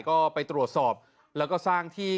ก็ไปตรวจสอบแล้วก็สร้างที่